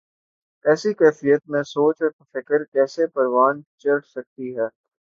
ایسی کیفیت میں سوچ اور فکر کیسے پروان چڑھ سکتی ہے۔